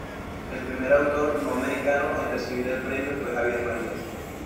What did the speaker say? El primer autor no americano en recibir el premio fue Javier Marías.